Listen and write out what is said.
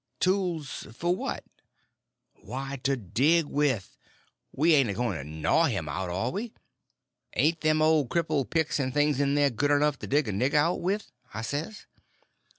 "Tools for what?" "Why, to dig with. We ain't a going to gnaw him out, are we?" "Ain't them old crippled picks and things in there good enough to dig a nigger out with?" I says.